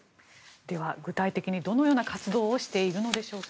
では、具体的にどのような活動をしているのでしょうか。